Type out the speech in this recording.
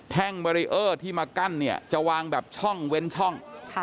แท่งบารีเออร์ที่มากั้นจะวางแบบช่องเว้นช่อง